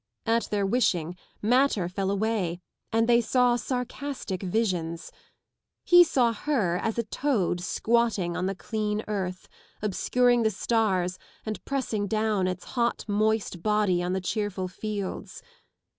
At their wishing matter fell away and they saw sarcastic visions. He saw her as a toad squatting on the clean earth, obscuring the stars and pressing down its hot moist body on the cheerful fields.